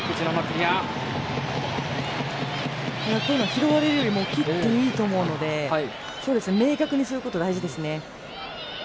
拾われるよりもキック、いいと思うので明確にすることが大事ですね。